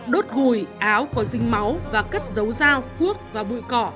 đốt gùi áo còn dính máu và cất giấu dao cuốc và bụi